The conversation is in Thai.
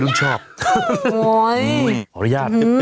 สุโค้ย